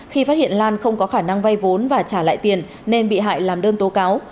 khi phát hiện lan không có khả năng vay vốn và trả lại tiền nên bị hại làm đơn tố cáo